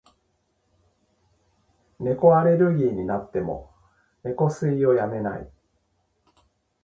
猫アレルギーになっても、猫吸いをやめない。